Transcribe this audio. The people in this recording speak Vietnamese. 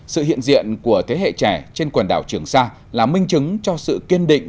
sự hiện diện của thế hệ trẻ trên quần đảo trường sa là minh chứng cho sự kiên định